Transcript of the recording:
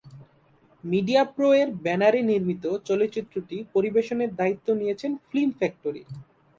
মিডিয়াপ্রো-এর ব্যানারে নির্মিত চলচ্চিত্রটি পরিবেশনের দায়িত্ব নিয়েছেন ফিল্ম ফ্যাক্টরি।